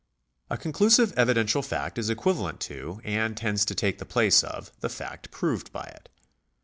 A conclusive evidential fact is equivalent to, and tends to take the place of, the fact proved by it.